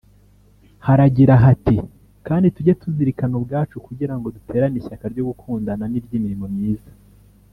Haragira hati “…kandi tujye tuzirikana ubwacu kugira ngo duterane ishyaka ryo gukundana n’iry’imirimo myiza”